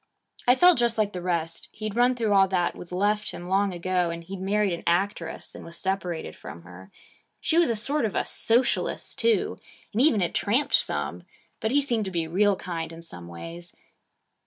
I felt just like the rest. He'd run through all that was left him long ago; and he'd married an actress and was separated from her. He was a sort of a Socialist too, and even had tramped some. But he seemed to be real kind in some ways.